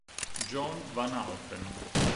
John Van Alphen